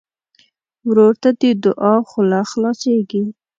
ورور ته د دعا خوله خلاصيږي.